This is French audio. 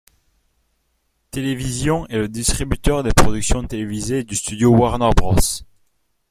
Television est le distributeur des productions télévisées du studio Warner Bros.